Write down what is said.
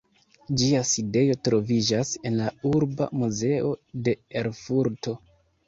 Ĝia sidejo troviĝas en la "Urba muzeo" de Erfurto.